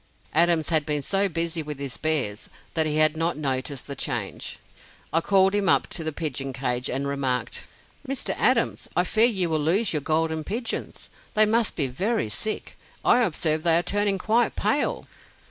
Adams had been so busy with his bears that he had not noticed the change. I called him up to the pigeon cage, and remarked: "Mr. Adams, I fear you will lose your Golden Pigeons; they must be very sick; I observe they are turning quite pale!"